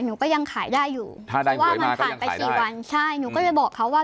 หนูก็ยังขายได้อยู่ถ้าได้หวยมาก็ยังขายได้ใช่หนูก็เลยบอกเขาว่า